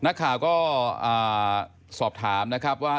นักข่าวก็สอบถามนะครับว่า